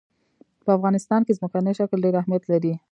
په افغانستان کې ځمکنی شکل ډېر اهمیت لري.